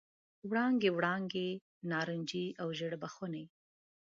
وړانګې، وړانګې نارنجي او ژړ بخونې،